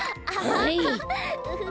はい！